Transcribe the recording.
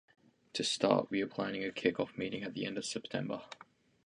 To start, we are planning a kickoff meeting at the end of September.